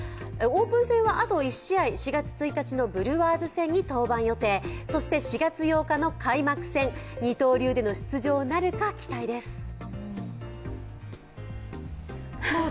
オープン戦はあと１試合、４月１日のブルワーズ戦に登板予定、そして４月８日の開幕戦二刀流での出場なるか期待です。